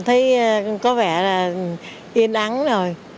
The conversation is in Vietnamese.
thấy có vẻ là yên ắn rồi